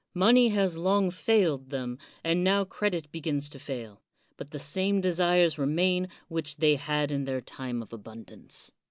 Money has long failed them, and now credit begins to fail ; but the same desires remain which they had in their time of abundance.